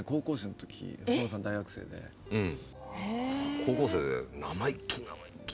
高校生で生意気生意気。